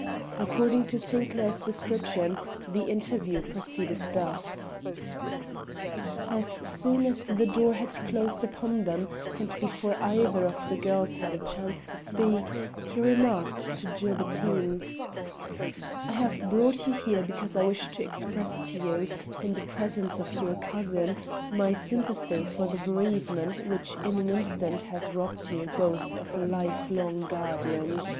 According to Sinclair's description, the interview proceeded thus: As soon as the door had closed upon them, and before either of the girls had a chance to speak, he remarked to Gilbertine: "I have brought you here because I wish to express to you, in the presence of your cousin, my sympathy for the bereavement which in an instant has robbed you both of a lifelong guardian.